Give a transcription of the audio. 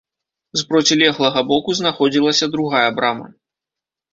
З процілеглага боку знаходзілася другая брама.